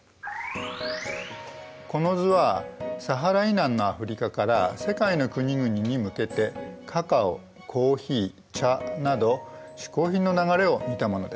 この図はサハラ以南のアフリカから世界の国々に向けてカカオコーヒー茶など嗜好品の流れを見たものです。